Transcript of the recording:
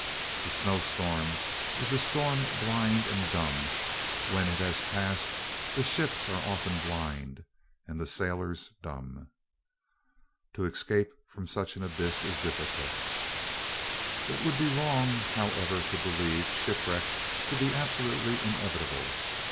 The snowstorm is a storm blind and dumb; when it has passed, the ships also are often blind and the sailors dumb. To escape from such an abyss is difficult. It would be wrong, however, to believe shipwreck to be absolutely inevitable.